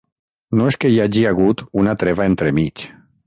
No és que hi hagi hagut una treva entremig.